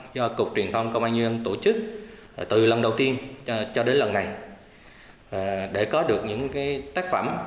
do cục truyền thông công an nhân dân tổ chức từ lần đầu tiên cho đến lần này để có được những tác phẩm